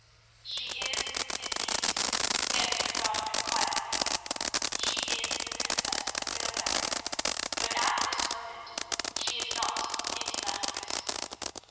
"She is his niece," answered Godwin quietly; "she is the princess of Baalbec, but at this moment she is not in Damascus."